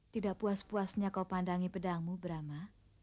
tidak puas puasnya kau pandangi pedangmu brama